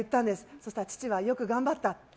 そうしたら父はよく頑張った。